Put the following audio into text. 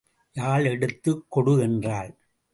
யாழ் எடுத்துக் கொடு என்றாள்.